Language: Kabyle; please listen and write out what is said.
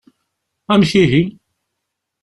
Amek ihi?